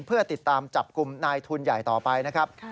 เพื่อติดตามจับกลุ่มนายทุนใหญ่ต่อไปนะครับ